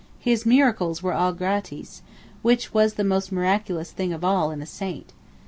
His miracles were all gratis, which was the most miraculous thing of all in a saint.